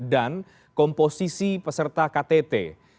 dan komposisi peserta ktt